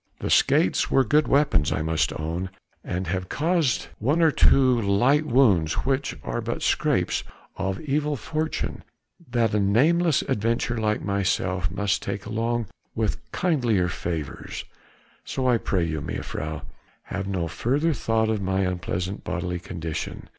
The skates were good weapons, I must own, and have caused one or two light wounds which are but scraps of evil fortune that a nameless adventurer like myself must take along with kindlier favours. So I pray you, mejuffrouw, have no further thought of my unpleasant bodily condition.